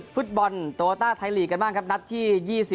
ฟุตบอลโตต้าไทยลีกกันบ้างครับนัดที่๒๔